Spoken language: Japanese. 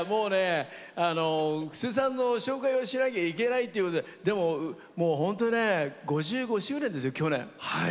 布施さんの紹介しなければいけないということででも本当に去年５５周年ですよ